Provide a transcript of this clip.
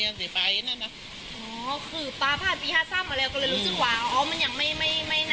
มันอย่างไม่น่ากลัวจนถึงขนาดนี่สักหน้า